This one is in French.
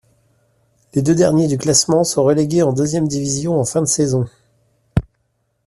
Les deux derniers du classement sont relégués en deuxième division en fin de saison.